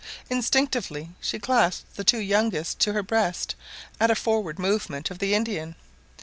Instinctively she clasped the two youngest to her breast at a forward movement of the Indian.